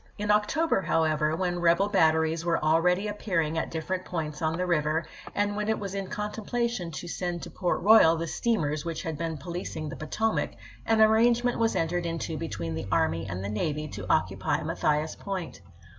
In October, however, when rebel batteries were already appearing at different points on the river, and when it was in contemplation to send to Port Royal the steamei's which had been policing the Potomac, an arrangement was entered into between the army and the navy to occupy Mathias Point.